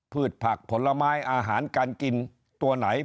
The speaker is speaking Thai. ผักผลไม้อาหารการกินตัวไหน